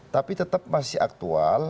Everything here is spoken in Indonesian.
tapi tetap masih aktual